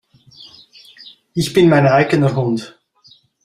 Ich bin mein eigener Hund.